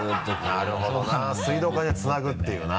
なるほどな水道管でつなぐっていうのな。